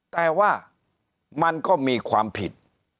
แต่ว่ามันก็มีความผิด